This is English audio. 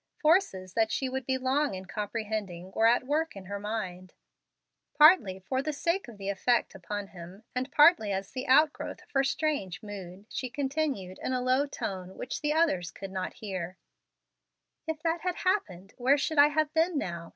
Forces that she would be long in comprehending were at work in her mind. Partly for the sake of the effect upon him, and partly as the outgrowth of her strange mood, she continued, in a low tone which the others could not hear: "If that had happened, where should I have been now?